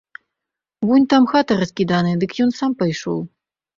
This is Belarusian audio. Вунь там хата раскіданая, дык ён сам пайшоў.